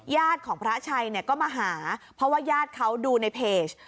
ญาติของพระชัยก็มาหาเพราะว่าญาติเขาดูในเพจ